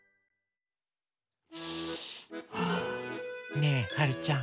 ねえはるちゃん。